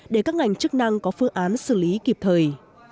để các ngành chức năng có phương án xử lý kịp thời